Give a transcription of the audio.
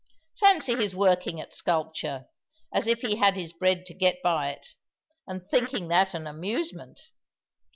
Fancy his working at sculpture, as if he had his bread to get by it and thinking that an amusement!